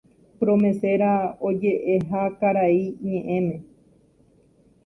promesera oje'eha karai ñe'ẽme